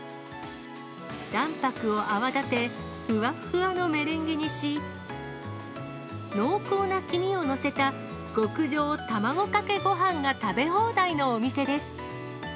卵白を泡立て、ふわっふわのメレンゲにし、濃厚な黄身を載せた極上たまごかけごはんが食べ放題のお店です。